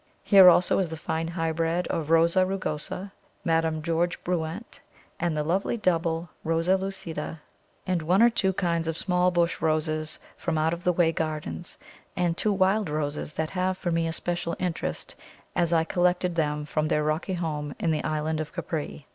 Here also is the fine hybrid of Rosa rugosa, Madame George Bruant, and the lovely double Rosa lucida, and one or two kinds of small bush Roses from out of the way gardens, and two wild Roses that have for me a special interest, as I collected them from their rocky home in the island of Capri.